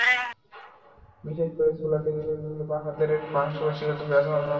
বিশেষ করে স্লোয়ার ডেলিভারিগুলোতে বাঁ হাতের মাংস পেশিগুলোতে ব্যথা অনুভব করেন।